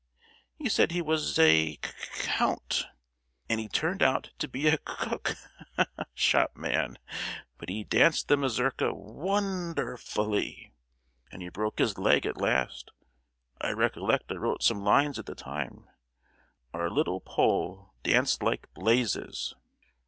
He said he was a C—Count, and he turned out to be a c—cook—shop man! But he danced the mazurka won—der—fully, and broke his leg at last. I recollect I wrote some lines at the time:— "Our little Pole Danced like blazes."